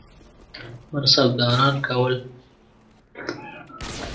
منصبداران کول.